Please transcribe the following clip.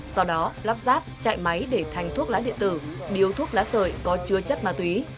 sau đó lắp ráp chạy máy để thành thuốc lá điện tử điếu thuốc lá sợi có chứa chất ma túy